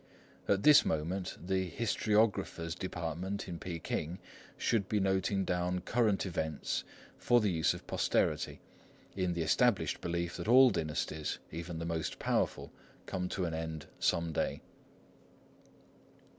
At this moment the Historiographer's Department in Peking should be noting down current events for the use of posterity, in the established belief that all dynasties, even the most powerful, come to an end some day.